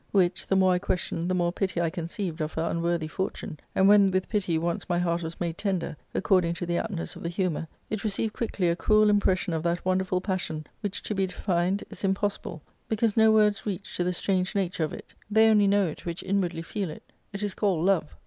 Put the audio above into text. Which, the more I ques* tioned, the more pity I conceived of her unworthy fortune ; and when with pity once my heart was made tender, accord ing to the aptness of the humour, it received quickly a cruel impression of that wonderful passion which to be defined is / impossible, because no words reach to the strange nature of it ; they only know it which inwardly feel it: it is called Love.